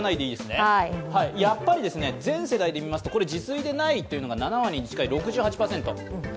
やっぱり全世代で見ますと、自炊でないというのが６８％。